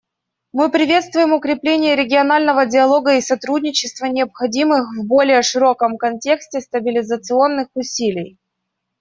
Мы приветствуем укрепление регионального диалога и сотрудничества, необходимых в более широком контексте стабилизационных усилий.